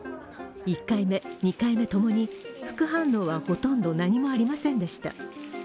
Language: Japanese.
１回目、２回目共に副反応はほとんど何もありませんでした。